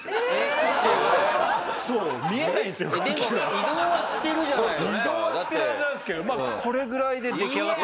移動はしてるはずなんですけどこれぐらいで出来上がって。